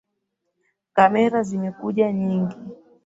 Kamera zimekuja nyingi